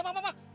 pak pak pak